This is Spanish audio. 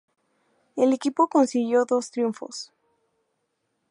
El equipo consiguió dos triunfos.